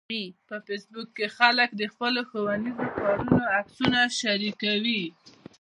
په فېسبوک کې خلک د خپلو ښوونیزو کارونو عکسونه شریکوي